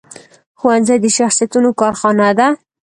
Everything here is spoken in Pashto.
ښوونځی د شخصیتونو کارخانه ده